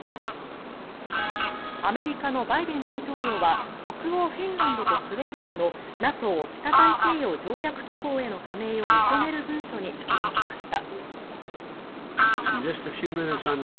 アメリカのバイデン大統領は北欧フィンランドとスウェーデンのＮＡＴＯ・北大西洋条約機構への加盟を認める文書に署名しました。